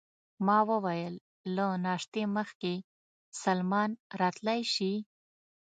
ما وویل: له ناشتې مخکې سلمان راتلای شي؟